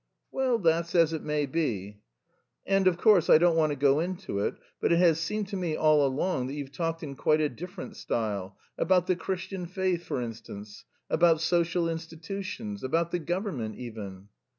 "Well, that's as it may be." "And, of course, I don't want to go into it.... But it has seemed to me all along that you've talked in quite a different style about the Christian faith, for instance, about social institutions, about the government even...."